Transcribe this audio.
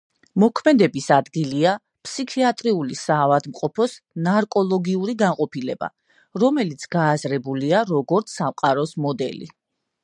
მოქმედების ადგილია ფსიქიატრიული საავადმყოფოს ნარკოლოგიური განყოფილება, რომელიც გააზრებულია, როგორც სამყაროს მოდელი.